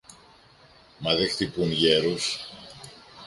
μα δε χτυπούν γέρους!